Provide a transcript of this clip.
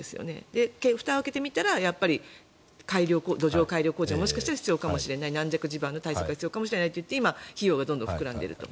で、ふたを開けてみたら土壌改良工事はもしかしたら必要かもしれない軟弱地盤の対策が必要かもということで費用が膨らんでいると。